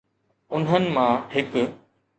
انهن مان هڪ